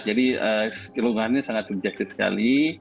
jadi kelelahannya sangat objektif sekali